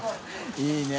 いいね。